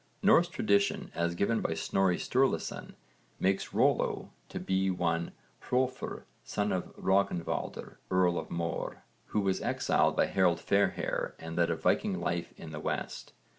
Norse tradition, as given by Snorri Sturluson, makes Rollo to be one Hrólfr, son of Rögnvaldr earl of Möre, who was exiled by Harold Fairhair and led a Viking life in the west.